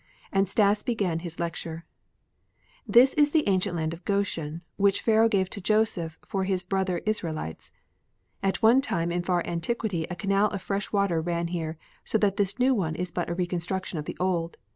And Stas began his lecture: "This is the ancient land of Goshen, which Pharaoh gave to Joseph for his brother Israelites. At one time in far antiquity a canal of fresh water ran here so that this new one is but a reconstruction of the old.